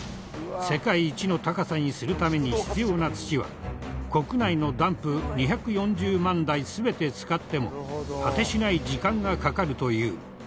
世界一の高さにするために必要な土は国内のダンプ２４０万台全て使っても果てしない時間がかかるという。